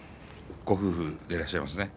ご夫婦でいらっしゃいますね。